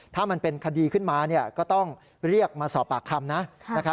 ถ้ามันเป็นคดีขึ้นมาก็ต้องเรียกมาสอบปากคำนะ